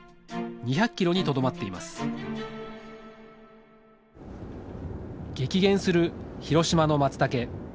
２００キロにとどまっています激減する広島のマツタケ。